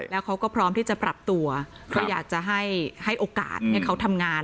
แล้วเขาก็พร้อมที่จะปรับตัวก็อยากจะให้โอกาสให้เขาทำงาน